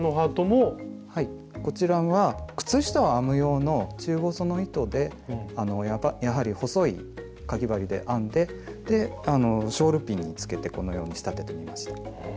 はいこちらは靴下を編む用の中細の糸でやはり細いかぎ針で編んでショールピンにつけてこのように仕立ててみました。